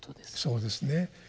そうですね。